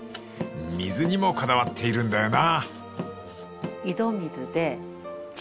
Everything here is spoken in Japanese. ［水にもこだわっているんだよな］